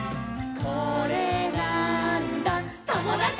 「これなーんだ『ともだち！』」